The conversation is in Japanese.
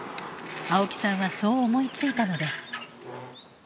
青木さんはそう思いついたのです。